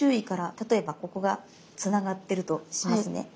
例えばここがつながってるとしますね。